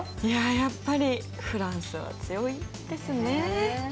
やっぱりフランスは強いですね。